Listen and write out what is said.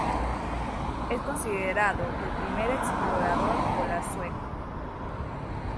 Es considerado el primer explorador polar sueco.